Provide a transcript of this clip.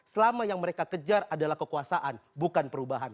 selama yang mereka kejar adalah kekuasaan bukan perubahan